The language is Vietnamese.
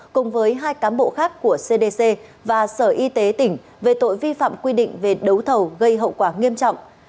cùng với hai cán bộ khác của cdc và sở y tế tỉnh về tội vi phạm quy định về đấu thầu gây hậu quả nghiêm trọng